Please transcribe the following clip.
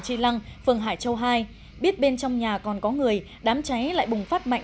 tri lăng phường hải châu hai biết bên trong nhà còn có người đám cháy lại bùng phát mạnh